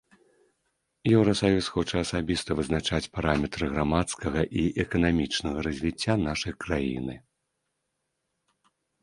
Еўрасаюз хоча асабіста вызначаць параметры грамадскага і эканамічнага развіцця нашай краіны.